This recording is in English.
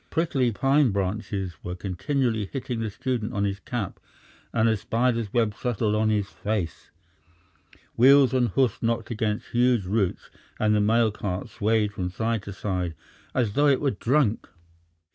Prickly pine branches were continually hitting the student on his cap and a spider's web settled on his face. Wheels and hoofs knocked against huge roots, and the mail cart swayed from side to side as though it were drunk.